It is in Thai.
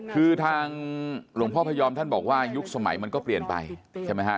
คือทางหลวงพ่อพยอมท่านบอกว่ายุคสมัยมันก็เปลี่ยนไปใช่ไหมฮะ